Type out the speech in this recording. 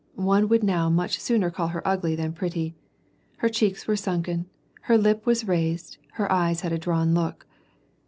One would now much sooner call her ugly than pretty. Her cheeks were sunken, her lip was raised, her eyes had a drawn look.